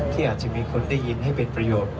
ที่อาจจะมีคนได้ยินให้เป็นประโยชน์